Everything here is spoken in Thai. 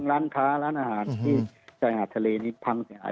ร้านค้าร้านอาหารที่ชายหาดทะเลนี้พังเสียหาย